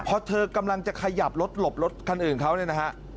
พอเธอกำลังจะขยับรถหลบรถคันอื่นเขาเนี่ยนะฮะ